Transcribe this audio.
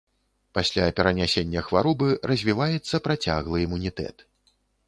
Пасля перанясення хваробы развіваецца працяглы імунітэт.